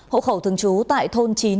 hộ khẩu thường trú tại thôn chín